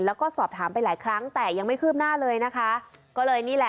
แล้วก็สอบถามไปหลายครั้งแต่ยังไม่คืบหน้าเลยนะคะ